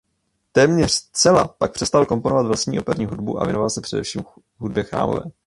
Téměř zcela pak přestal komponovat operní hudbu a věnoval se především hudbě chrámové.